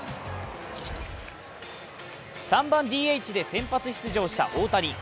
３番ＤＨで先発出場した大谷。